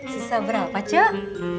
sisa berapa cok